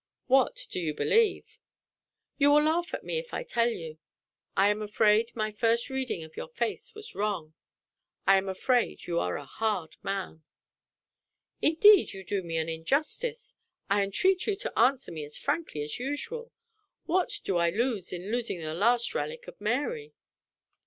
"What do you believe?" "You will laugh at me if I tell you. I am afraid my first reading of your face was wrong I am afraid you are a hard man." "Indeed you do me an injustice. I entreat you to answer me as frankly as usual. What do I lose in losing the last relic of Mary?"